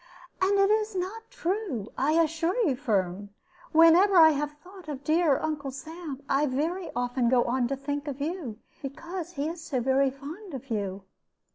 "And it is not true, I assure you, Firm. Whenever I have thought of dear Uncle Sam, I very often go on to think of you, because he is so fond of you."